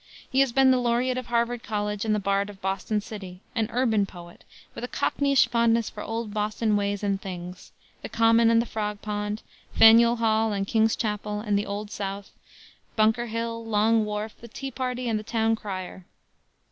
He has been the laureate of Harvard College and the bard of Boston city, an urban poet, with a cockneyish fondness for old Boston ways and things the Common and the Frog Pond, Faneuil Hall and King's Chapel and the Old South, Bunker Hill, Long Wharf, the Tea Party, and the town crier.